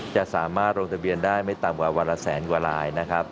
จะสามารถลงทะเบียนได้ไม่ต่ำกว่าวันละแสนกว่าลายนะครับ